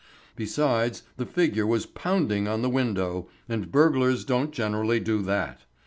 ] Besides, the figure was pounding on the window, and burglars don't generally do that.